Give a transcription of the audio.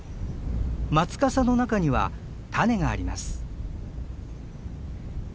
松かさの中には種があります。